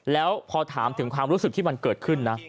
แล้วพอถามถึงความรู้สึกที่มันเกิดขึ้นนะ